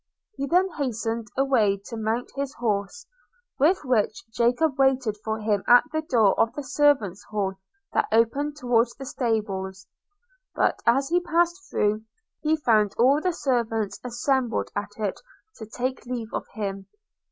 He then hastened away to mount his horse, with which Jacob waited for him at the door of the servants' hall that opened towards the stables: – but as he passed through, he found all the servants assembled at it to take leave of him.